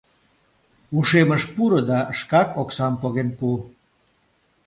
«Ушемыш пуро да шкак оксам поген пу.